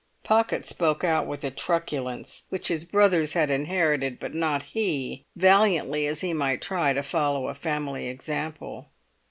Pocket spoke out with a truculence which his brothers had inherited, but not he, valiantly as he might try to follow a family example.